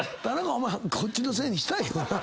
田中こっちのせいにしたいよな。